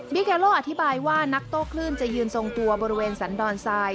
แกโลอธิบายว่านักโต้คลื่นจะยืนทรงตัวบริเวณสันดอนทราย